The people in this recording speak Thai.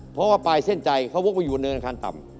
เพราะว่าปลายเส้นใจเขาวกไปอยู่เนินอังคารต่ำ